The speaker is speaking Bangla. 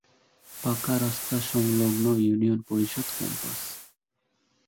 পাকা রাস্তা সংলগ্ন ইউনিয়ন পরিষদ ক্যাম্পাস।